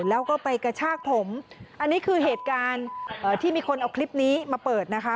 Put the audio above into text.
แล้วก็ไปกระชากผมอันนี้คือเหตุการณ์ที่มีคนเอาคลิปนี้มาเปิดนะคะ